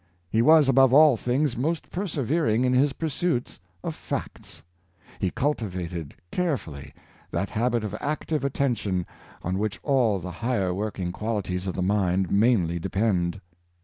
He was, above all things, most persevering in the pursuit of facts. He cultivated care fully that habit of active attention on which all the higher working qualities of the mind mainly depend.